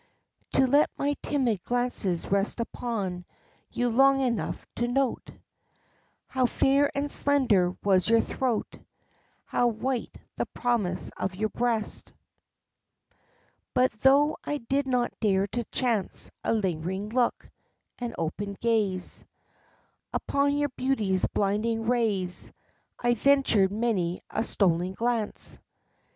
To let my timid glances rest upon you long enough to note How fair and slender was your throat, how white the promise of your breast. But though I did not dare to chance a lingering look, an open gaze Upon your beauty's blinding rays, I ventured many a stolen glance.